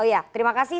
oh iya terima kasih